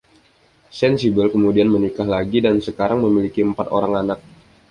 Sensible kemudian menikah lagi dan sekarang memiliki empat orang anak.